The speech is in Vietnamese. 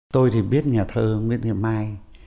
tôi thì biết nhà thơ nguyễn thị mai